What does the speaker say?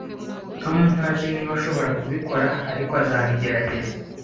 Tom ntazi niba ashobora kubikora, ariko azabigerageza